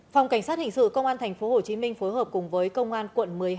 phòng cảnh sát hình sự công an tp hcm phối hợp cùng với công an quận một mươi hai